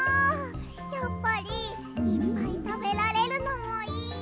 やっぱりいっぱいたべられるのもいい！